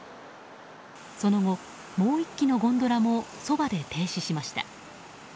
その後、もう１基のゴンドラもそばで停止しました。